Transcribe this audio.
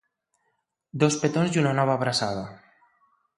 Dos petons i una nova abraçada.